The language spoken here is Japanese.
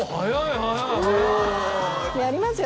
やりますよ